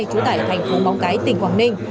trú tại thành phố móng cái tỉnh quảng ninh